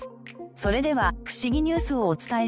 それではフシギニュースをお伝えします。